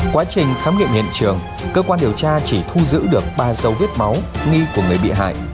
quá trình khám nghiệm hiện trường cơ quan điều tra chỉ thu giữ được ba dấu vết máu nghi của người bị hại